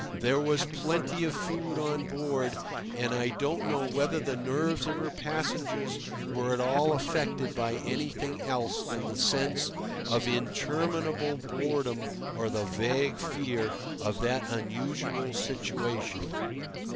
There was plenty of food on board, and I don't know whether the nerves of her passengers were at all affected by anything else than the sense of interminable boredom or the vague fear of that unusual situation.